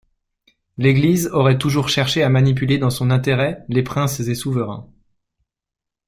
L'Église aurait toujours cherché à manipuler dans son intérêt les princes et souverains.